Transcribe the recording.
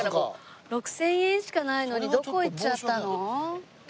６０００円しかないのにどこ行っちゃったの？